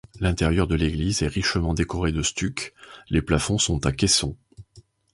L'intérieur de l'église est richement décoré de stuc, les plafonds sont à caissons.